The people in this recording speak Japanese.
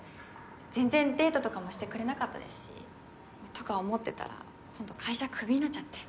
全然デートとかもしてくれなかったですしとか思ってたら今度会社クビになっちゃって。